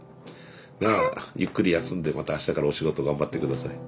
じゃあゆっくり休んでまた明日からお仕事頑張って下さい。